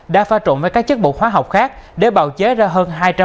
đã pha trộn với các chất bộ khoa học khác để bào chế ra hơn hai trăm linh